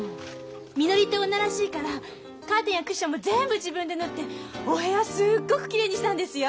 みのりって女らしいからカーテンやクッションも全部自分で縫ってお部屋すごくきれいにしたんですよ。